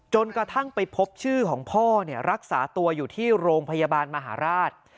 กระทั่งไปพบชื่อของพ่อรักษาตัวอยู่ที่โรงพยาบาลมหาราช